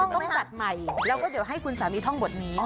อาจจะจัดใหม่แล้วก็ให้คุณสามีท่องบทนี้